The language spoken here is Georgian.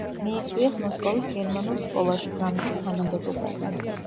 მიიწვიეს მოსკოვის გერმანულ სკოლაში გამგის თანამდებობაზე.